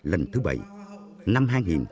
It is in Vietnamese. lần thứ bảy năm hai nghìn một mươi chín